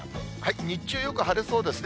日中よく晴れそうですね。